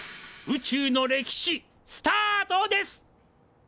宇宙の歴史スタートです！